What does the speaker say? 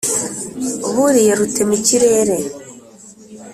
buriye rutemikirere